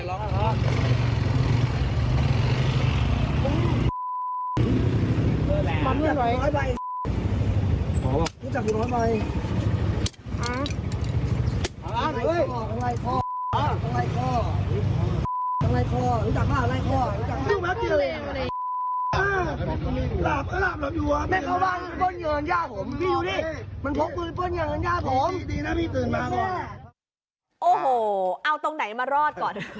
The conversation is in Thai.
โอ้โหตรงไหนมารอดก่อน